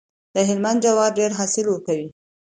د هلمند جوار ډیر حاصل ورکوي.